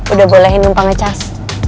udah bolehin umpang ngecas